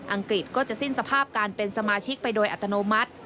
กฤษก็จะสิ้นสภาพการเป็นสมาชิกไปโดยอัตโนมัติ